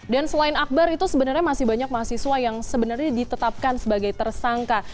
dan selain akbar itu sebenarnya masih banyak mahasiswa yang sebenarnya ditetapkan sebagai tersangka